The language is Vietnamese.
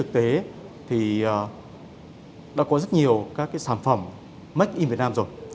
thì đã có rất nhiều các sản phẩm made in vietnam rồi